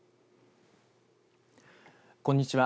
こんにちは。